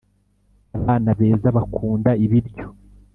abana beza bakunda ibiryo